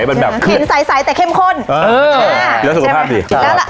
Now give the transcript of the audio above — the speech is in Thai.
แบบเผ็ดแบบเสียงใสใสแต่เข้มข้นเออแล้วสุขภาพสิ